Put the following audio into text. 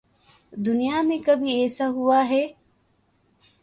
دنیا میں کبھی ایسا ہو اہے؟